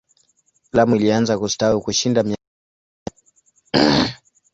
Lamu ilianza kustawi kushinda miaka ya nyuma.